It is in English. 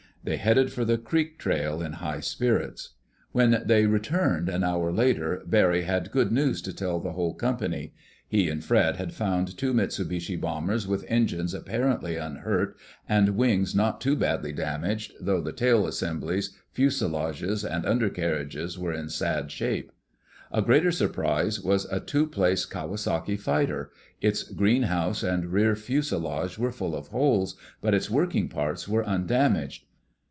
They headed for the creek trail in high spirits. When they returned, an hour later, Barry had good news to tell the whole company. He and Fred had found two Mitsubishi bombers with engines apparently unhurt and wings not too badly damaged, though the tail assemblies, fuselages and undercarriages were in sad shape. A greater surprise was a two place Kawasaki fighter. Its greenhouse and rear fuselage were full of holes, but its working parts were undamaged.